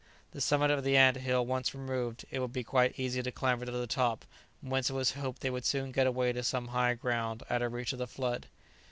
The summit of the ant hill once removed, it would be quite easy to clamber to the top, whence it was hoped they would soon get away to some high ground out of reach of the flood.